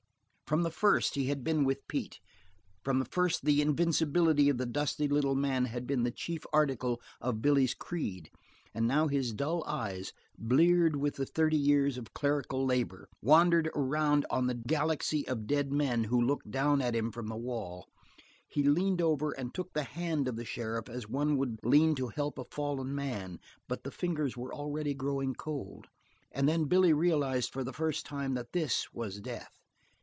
From the first he had been with Pete, from the first the invincibility of the little dusty man had been the chief article of Billy's creed, and now his dull eyes, bleared with thirty years of clerical labor, wandered around on the galaxy of dead men who looked down at him from the wall. He leaned over and took the hand of the sheriff as one would lean to help up a fallen man, but the fingers were already growing cold, and then Billy realized for the first time that this was death.